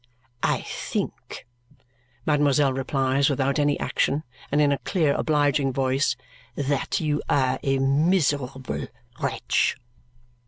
"I think," mademoiselle replies without any action and in a clear, obliging voice, "that you are a miserable wretch."